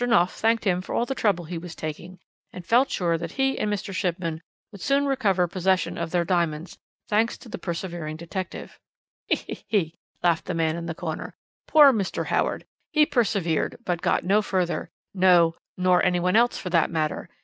Knopf thanked him for all the trouble he was taking, and felt sure that he and Mr. Shipman would soon recover possession of their diamonds, thanks to the persevering detective. "He! he! he!" laughed the man in the corner. "Poor Mr. Howard. He persevered but got no farther; no, nor anyone else, for that matter.